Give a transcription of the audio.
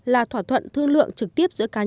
là thỏa thuận thương lượng trực tiếp giữa cá nhân